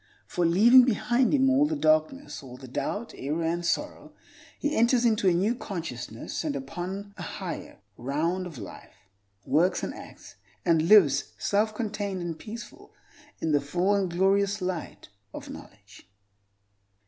For, leaving behind him all the darkness, all the doubt, error, and sorrow, he enters into a new consciousness and upon a higher round of life, works, and acts, and lives self contained and peaceful, in the full and glorious light of knowledge.